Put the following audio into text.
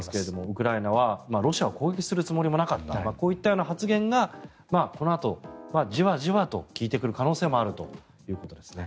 ウクライナはロシアを攻撃するつもりもなかったこういった発言がこのあとじわじわと効いてくる可能性もあるということですね。